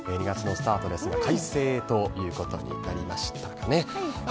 ２月のスタートですが、快晴ということになりましたかね。